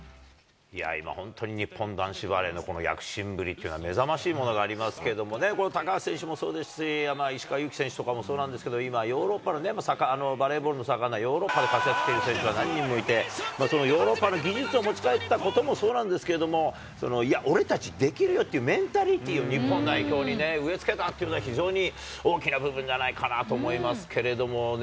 本当に今、日本男子バレーのこの躍進ぶりというのは、目覚ましいものがありますけれどもね、高橋選手もそうですし、石川祐希選手とかもそうなんですけれども、今、ヨーロッパのバレーボールの盛んなヨーロッパで選手が何人もいて、そのヨーロッパの技術を持ち帰ったこともそうなんですけれども、いや、俺たちできるよっていう、メンタリティーを日本代表に植え付けたというのは、非常に大きな部分じゃないかなと思いますのでね。